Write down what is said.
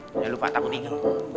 jangan lupa takut ingin